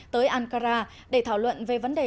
tới ankara để thảo luận về vấn đề